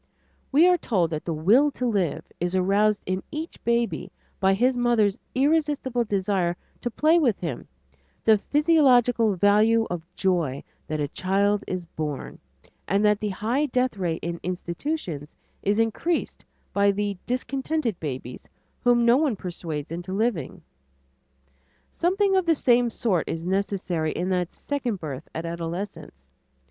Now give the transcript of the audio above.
We are told that "the will to live" is aroused in each baby by his mother's irresistible desire to play with him, the physiological value of joy that a child is born, and that the high death rate in institutions is increased by "the discontented babies" whom no one persuades into living. Something of the same sort is necessary in that second birth at adolescence.